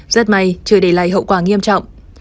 rất may chưa để lại hậu quả nghiêm trọng